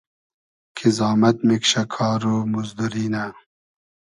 کی زامئد میکشۂ ، کار و موزدوری نۂ